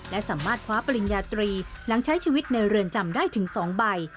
และสามารถคว้าปริญญาตรีหลังใช้ชีวิตในเรือนจำได้ถึง๒ใบ